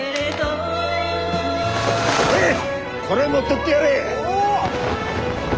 モネこれ持ってってやれ。